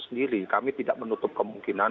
sendiri kami tidak menutup kemungkinan